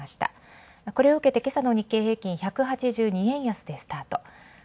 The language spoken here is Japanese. これを受けて今朝の日経平均１８２円安でスタート。